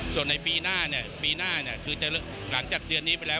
ส่วนในปีหน้าเนี่ยปีหน้าคือจะหลังจากเดือนนี้ไปแล้ว